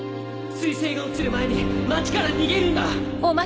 彗星が落ちる前に町から逃げるんだ！